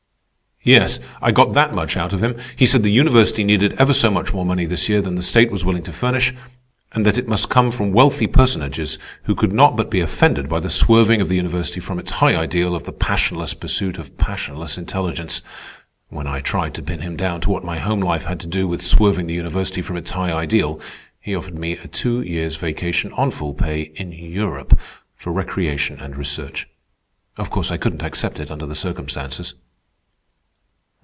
"Yes. I got that much out of him. He said the university needed ever so much more money this year than the state was willing to furnish; and that it must come from wealthy personages who could not but be offended by the swerving of the university from its high ideal of the passionless pursuit of passionless intelligence. When I tried to pin him down to what my home life had to do with swerving the university from its high ideal, he offered me a two years' vacation, on full pay, in Europe, for recreation and research. Of course I couldn't accept it under the circumstances."